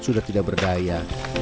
sudah tidak berdaya